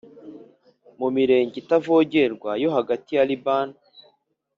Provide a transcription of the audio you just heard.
mu mirenge itavogerwa yo hagati ya Libani,